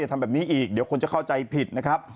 ทำแบบนี้อีกเดี๋ยวคนจะเข้าใจผิดนะครับ